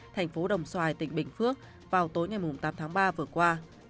thành phố đồng xoài tỉnh bình phước vào tối ngày tám tháng ba vừa qua